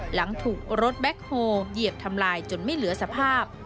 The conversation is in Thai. หลังถูกรถแบ็คโฮลเหยียบทำลายจนไม่เหลือสภาพ